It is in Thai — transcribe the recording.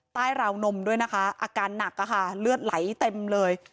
ราวนมด้วยนะคะอาการหนักค่ะเลือดไหลเต็มเลย